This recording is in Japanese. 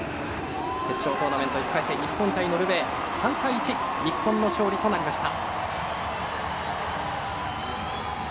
決勝トーナメント、１回戦日本対ノルウェー３対１、日本の勝利となりました。